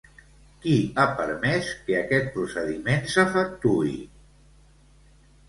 Qui ha permès que aquest procediment s'efectuï?